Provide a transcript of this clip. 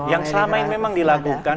yang selama ini memang dilakukan